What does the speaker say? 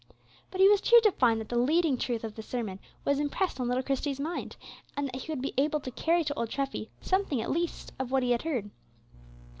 But he was cheered to find that the leading truth of the sermon was impressed on little Christie's mind, and that he would be able to carry to old Treffy something, at least, of what he had heard.